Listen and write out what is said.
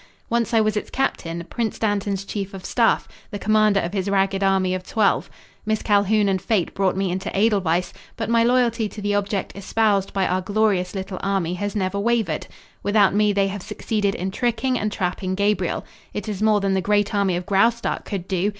Once I was its captain, Prince Dantan's chief of staff the commander of his ragged army of twelve. Miss Calhoun and fate brought me into Edelweiss, but my loyalty to the object espoused by our glorious little army has never wavered. Without me they have succeeded in tricking and trapping Gabriel. It is more than the great army of Graustark could do.